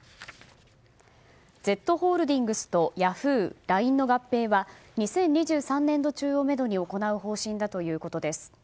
Ｚホールディングスとヤフー、ＬＩＮＥの合併は２０２３年度中をめどに行う予定だということです。